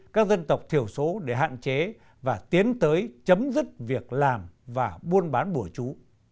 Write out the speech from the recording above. các dân tộc thiểu số để hạn chế và tiến tới chấm dứt việc làm và buôn bán bùa chú